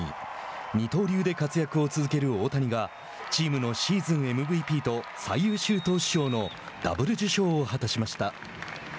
二刀流で活躍を続ける大谷がチームのシーズンＭＶＰと最優秀投手賞のダブル受賞を果たしました。